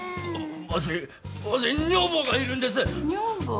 わしわし女房がいるんです女房？